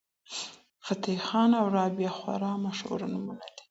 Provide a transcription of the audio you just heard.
فتح خان او رابعه خورا مشهور نومونه دي.